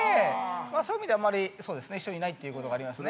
そういう意味では、あまり一緒にいないということがありますね。